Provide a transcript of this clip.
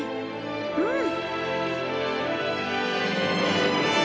うん。